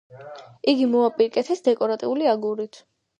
იგი მოაპირკეთეს დეკორატიული აგურით.